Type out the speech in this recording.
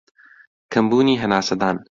کەمبوونی هەناسەدان